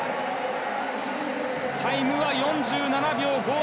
タイムは４７秒５８。